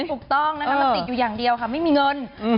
ถูกต้องนะคะมันติดอยู่อย่างเดียวค่ะไม่มีเงิน